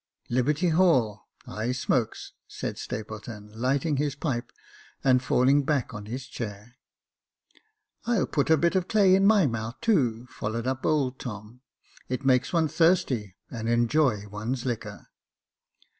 " Liberty Hall — I smokes," said Stapleton, lighting his pipe, and falling back on his chair. "I'll put a bit of clay in my mouth too," followed up old Tom ;" it makes one thirsty, and enjoy one's liquor."